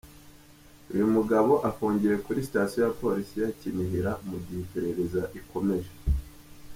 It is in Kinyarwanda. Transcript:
Uyu mugabo afungiwe kuri Sitasiyo ya Polisi ya Kinihira mu gihe iperereza rikomeje.